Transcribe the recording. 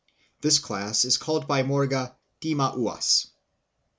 This class is called by Morga " timauas."